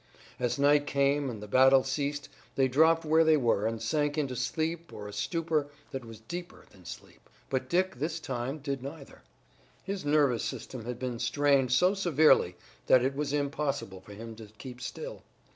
As night came and the battle ceased they dropped where they were and sank into sleep or a stupor that was deeper than sleep. But Dick this time did neither. His nervous system had been strained so severely that it was impossible for him to keep still.